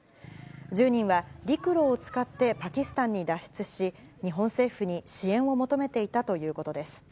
１０人は陸路を使ってパキスタンに脱出し、日本政府に支援を求めていたということです。